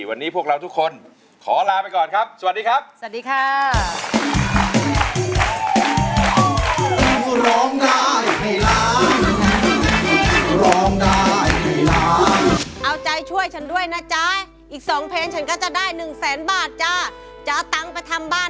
วันนี้พวกเราทุกคนขอลาไปก่อนครับสวัสดีครับสวัสดีค่ะ